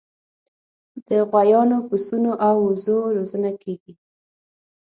د غویانو، پسونو او وزو روزنه کیږي.